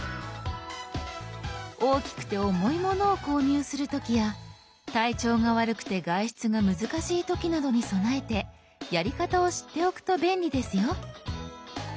大きくて重いものを購入する時や体調が悪くて外出が難しい時などに備えてやり方を知っておくと便利ですよ。